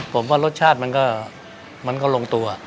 ผมว่ารสชาติมันก็ลงตัว